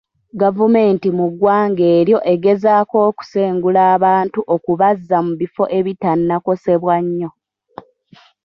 Gavumenti mu ggwanga eryo egezaako okusengula abantu okubazza mu bifo ebitannakosebwa nnyo.